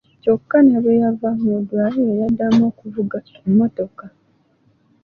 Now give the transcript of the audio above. Kyokka ne bwe yava mu ddwaliro, yaddamu okuvuga mmotoka.